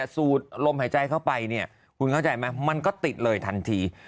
สูดลมหายใจเข้าไปเนี่ยคุณเข้าใจไหมมันก็ติดเลยทันที